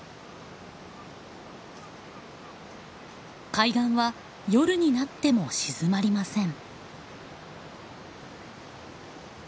海岸は夜になっても静まりません。